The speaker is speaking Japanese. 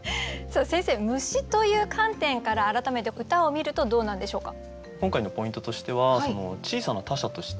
先生「虫」という観点から改めて歌を見るとどうなんでしょうか？